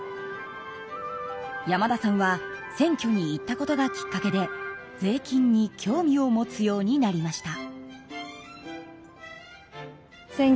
山田さんは選挙に行ったことがきっかけで税金に興味を持つようになりました。